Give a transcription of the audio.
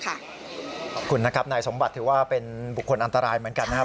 คุณนะครับนายสมบัติถือว่าเป็นบุคคลอันตรายเหมือนกันนะครับ